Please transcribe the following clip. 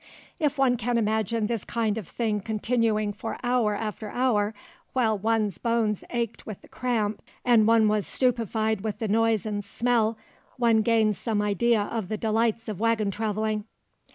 If one can imagine this kind of thing continuing for hour after hour, while one's bones ached with the cramp, and one was stupefied with the noise and smell, one gains some idea of the delights of waggon travelling.